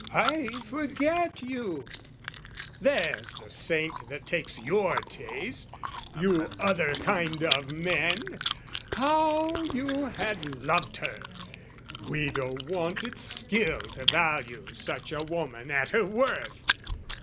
I forget you!" There's the saint That takes your taste, you other kind of men! How you had loved her! Guido wanted skill To value such a woman at her worth!